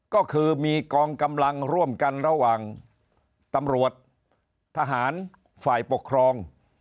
ก็คือมีกองกำลังร่วมกันระหว่างตำรวจทหารฝ่ายปกครอง